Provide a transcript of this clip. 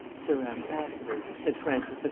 "Sir Ambassador," said Francis I.